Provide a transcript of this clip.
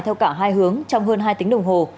theo cả hai hướng trong hơn hai tiếng đồng hồ